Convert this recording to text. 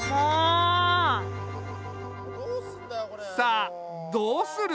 さあどうする？